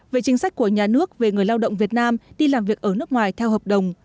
về chính sách của nhà nước về người lao động việt nam đi làm việc ở nước ngoài theo hợp đồng